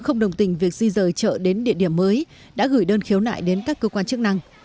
không đồng tình việc di rời chợ đến địa điểm mới đã gửi đơn khiếu nại đến các cơ quan chức năng